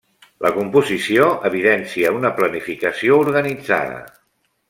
La composició evidencia una planificació organitzada.